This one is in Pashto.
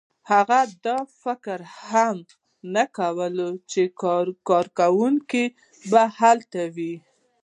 هغه دا فکر هم نه کاوه چې کارنګي به هلته وي.